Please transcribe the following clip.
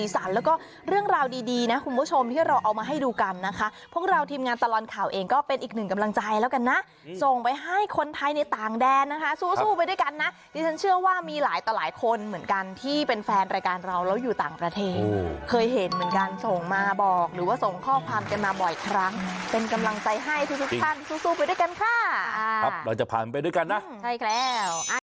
ส่งไปให้คนไทยในต่างแดนนะคะสู้ไปด้วยกันนะที่ฉันเชื่อว่ามีหลายต่อหลายคนเหมือนกันที่เป็นแฟนรายการเราแล้วอยู่ต่างประเทศเคยเห็นเหมือนกันส่งมาบอกหรือว่าส่งข้อความกันมาบ่อยครั้งเป็นกำลังใจให้ทุกท่านสู้ไปด้วยกันค่ะครับเราจะพาไปด้วยกันนะใช่ครับ